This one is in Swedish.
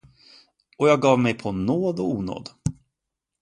Och jag gav mig på nåd och onåd.